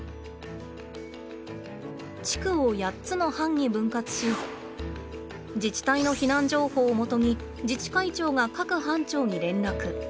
地区を８つの班に分割し自治体の避難情報をもとに自治会長が各班長に連絡。